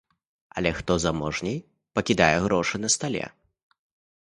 Але хто заможней, пакідае грошы на стале.